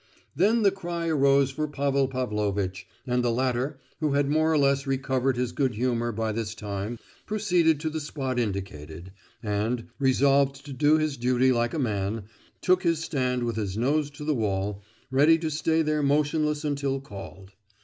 Then the cry arose for Pavel Pavlovitch, and the latter, who had more or less recovered his good humour by this time, proceeded to the spot indicated; and, resolved to do his duty like a man, took his stand with his nose to the wall, ready to stay there motionless until called.